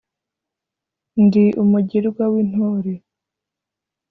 Ndi umugirwa w' intore